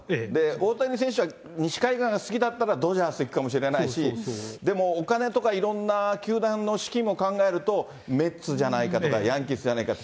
大谷選手は、西海岸が好きだったら、ドジャース行くかもしれないし、でも、お金とかいろんな球団の資金も考えると、メッツじゃないかとか、ヤンキースじゃないか。